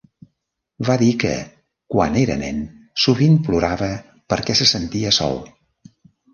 Va dir que quan era nen sovint plorava perquè se sentia sol.